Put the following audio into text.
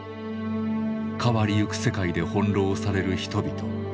変わりゆく世界で翻弄される人々。